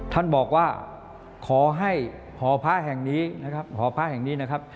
ท่านบอกว่าขอให้หอพระแห่งนี้นะครับ